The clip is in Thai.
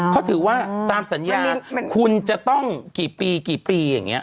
เขาถือว่าตามสัญญาคุณจะต้องกี่ปีกี่ปีอย่างนี้